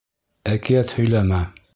Әкиәт һөйләмә!